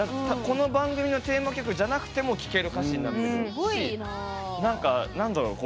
この番組のテーマ曲じゃなくても聴ける歌詞になってるしなんかなんだろう